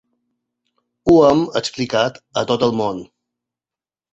Ho hem explicat a tot el món.